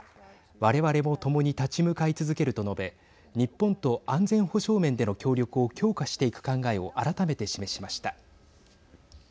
我々も共に立ち向かい続けると述べ日本と安全保障面での協力を強化していく考えを改めて示しました。